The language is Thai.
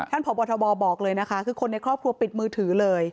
พบทบบอกเลยนะคะคือคนในครอบครัวปิดมือถือเลย